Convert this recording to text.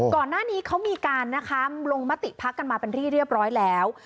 ก่อนหน้านี้เขามีการนะคะลงมติพักกันมาเป็นที่เรียบร้อยแล้ว